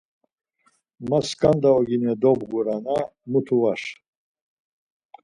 Ma skanda oğine dobğura-na, mutu var.